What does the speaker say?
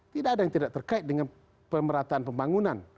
tidak ada yang tidak terkait dengan pemerataan pembangunan